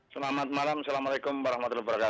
selamat malam assalamualaikum wr wb